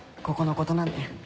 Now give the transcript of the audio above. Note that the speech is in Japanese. ここのことなんて。